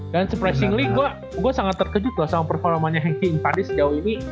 dan surprisingly gua sangat terkejut lah sama performanya henki pandey sejauh ini